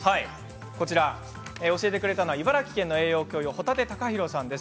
教えてくれたのは茨城県の栄養教諭保立貴博さんです。